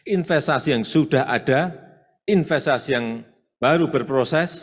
investasi yang sudah ada investasi yang baru berproses